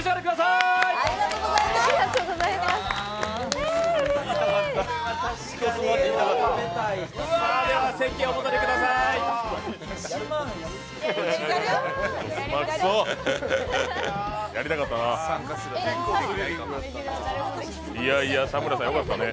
いやいや、田村さんよかったね。